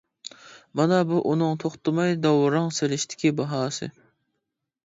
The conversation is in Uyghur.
مانا بۇ ئۇنىڭ توختىماي داۋراڭ سېلىشتىكى باھاسى!